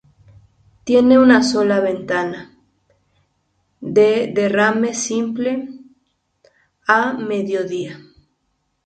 Tiene una sola ventana, de derrame simple, a mediodía.